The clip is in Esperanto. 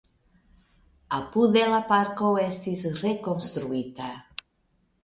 Apude la parko estis rekonstruita.